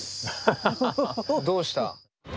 どうした？